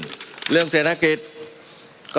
มันมีมาต่อเนื่องมีเหตุการณ์ที่ไม่เคยเกิดขึ้น